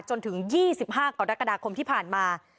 จนถึง๒๕กรกฎาคมที่ผ่านมา